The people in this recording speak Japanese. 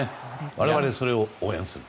我々はそれを応援する。